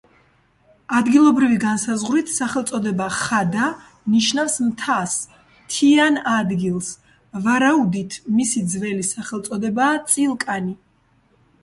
ადგილობრივი განსაზღვრით სახელწოდება „ხადა“ ნიშნავს მთას, მთიან ადგილს, ვარაუდით მისი ძველი სახელწოდებაა წილკანი.